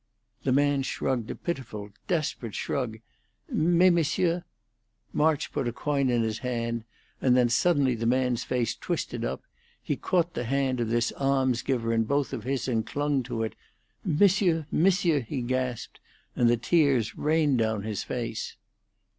The man shrugged a pitiful, desperate shrug, "Mais, Monsieur " March put a coin in his hand, and then suddenly the man's face twisted up; he caught the hand of this alms giver in both of his and clung to it. "Monsieur! Monsieur!" he gasped, and the tears rained down his face.